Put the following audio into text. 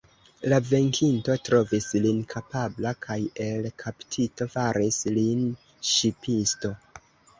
La venkinto trovis lin kapabla, kaj, el kaptito, faris lin ŝipisto.